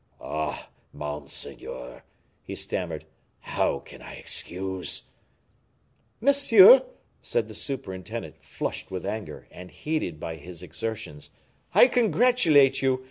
"Ah! monseigneur," he stammered, "how can I excuse " "Monsieur," said the superintendent, flushed with anger, and heated by his exertions, "I congratulate you.